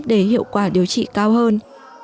để hiệu quả điều trị cao hơn